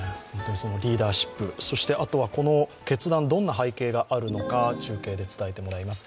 リーダーシップ、あとはこの決断、どんな背景があるのか、中継で伝えてもらいます。